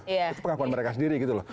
itu pengakuan mereka sendiri gitu loh